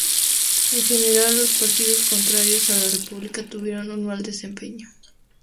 En general, los partidos contrarios a la república tuvieron un mal desempeño.